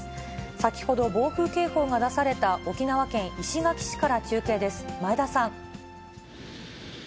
先ほど、暴風警報が出された沖縄県石垣市から中継です、前田さん。